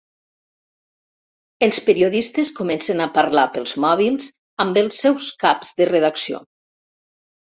Els periodistes comencen a parlar pels mòbils amb els seus caps de redacció.